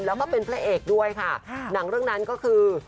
แล้วก็เป็นพระเอกด้วยค่ะหนังเรื่องนั้นก็คือ